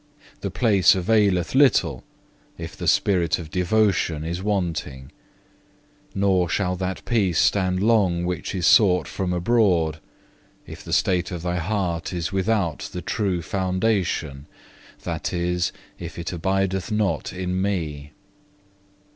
The place availeth little if the spirit of devotion is wanting; nor shall that peace stand long which is sought from abroad, if the state of thy heart is without the true foundation, that is, if it abide not in Me.